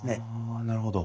あなるほど。